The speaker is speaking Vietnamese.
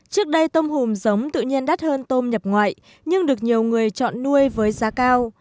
trước đây tôm hùm giống tự nhiên đắt hơn tôm nhập ngoại nhưng được nhiều người chọn nuôi với giá cao